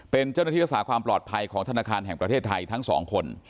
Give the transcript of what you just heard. เป็นเจ้าหน้าที่รักษาความปลอดภัยของธนาคารแห่งประเทศไทยทั้งสองคน